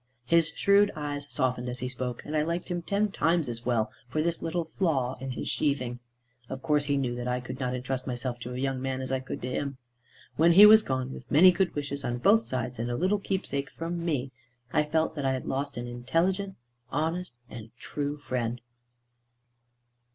His shrewd eyes softened as he spoke, and I liked him ten times as well for this little flaw in his sheathing. Of course he knew that I could not entrust myself to a young man, as I could to him. When he was gone, with many good wishes on both sides, and a little keepsake from me, I felt that I had lost an intelligent, honest, and true friend.